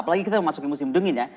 apalagi kita mau masukin musim dingin ya